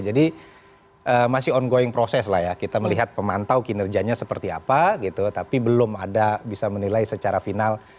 jadi masih ongoing proses lah ya kita melihat pemantau kinerjanya seperti apa gitu tapi belum ada bisa menilai secara final